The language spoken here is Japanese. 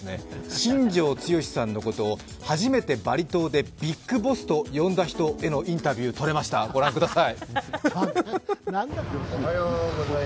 新庄剛志さんのことを初めてバリ島でビッグボスと呼んだ人のインタビューとれました、御覧ください。